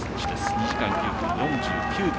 ２時間９分４９秒。